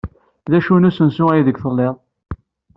D acu n usensu aydeg tellid?